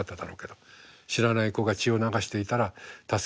知らない子が血を流していたら助ける親がいる。